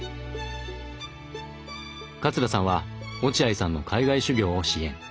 桂さんは落合さんの海外修業を支援。